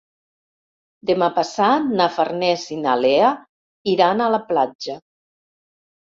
Demà passat na Farners i na Lea iran a la platja.